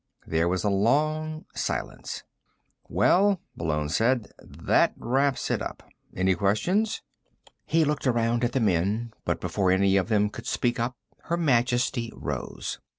There was a long silence. "Well," Malone said, "that about wraps it up. Any questions?" He looked around at the men, but before any of them could speak up Her Majesty rose.